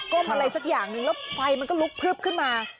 อะไรสักอย่างนึงแล้วไฟมันก็ลุกพลึบขึ้นมา